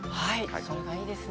それがいいですね。